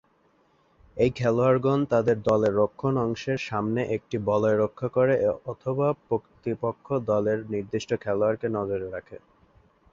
এই খেলোয়াড়গণ তাদের দলের রক্ষণ অংশের সামনে একটি বলয় রক্ষা করে অথবা প্রতিপক্ষ দলের নির্দিষ্ট খেলোয়াড়কে নজরে রাখে।